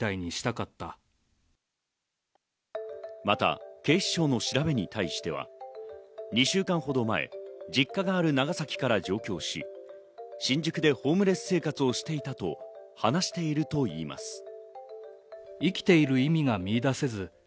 また警視庁の調べに対しては２週間ほど前、実家がある長崎から上京し、新宿でホームレス生活をしていたと話しているといいます。